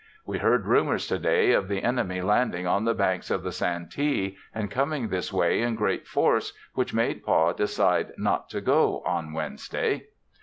We heard rumors to day of the enemy landing on the banks of the Santee, and coming this way in great force which made Pa decide not to go on Wednesday.